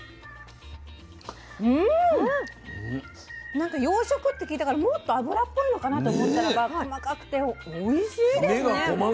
なんか養殖って聞いたからもっと脂っぽいのかなと思ったらば細かくておいしいですね。